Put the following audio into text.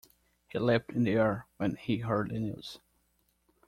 He leapt in the air when he heard the news.